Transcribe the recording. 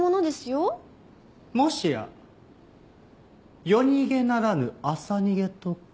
もしや夜逃げならぬ朝逃げとか？